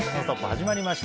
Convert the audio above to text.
始まりました。